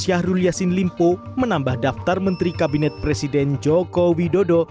syahrul yassin limpo menambah daftar menteri kabinet presiden joko widodo